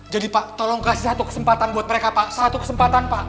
jadi pak tolong kasih satu kesempatan buat mereka pak satu kesempatan pak